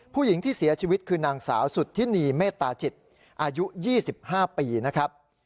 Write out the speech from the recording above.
ผู้หญิงที่เสียชีวิตคือนางสาวสุธินีเมตตาจิตอายุ๒๕ปีนะครับ